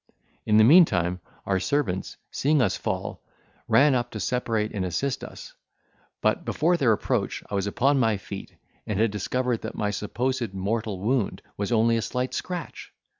In the meantime, our servants, seeing us fall, ran up to separate and assist us; but before their approach I was upon my feet, and had discovered that my supposed mortal wound was only a slight scratch.